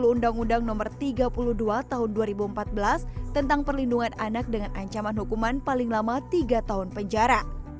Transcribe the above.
undang undang no tiga puluh dua tahun dua ribu empat belas tentang perlindungan anak dengan ancaman hukuman paling lama tiga tahun penjara